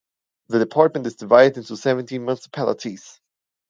The department is divided into seventeen municipalities.